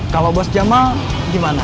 kalau bos jamal gimana